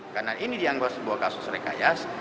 karena ini dianggap sebuah kasus rekayas